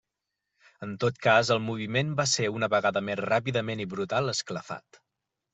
En tot cas, el moviment va ser una vegada més ràpidament i brutal esclafat.